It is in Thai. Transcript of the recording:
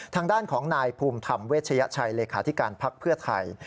ทางด้านของนายภูมิธรรมเวชยชัยเลขาธิการพักเพื่อไทย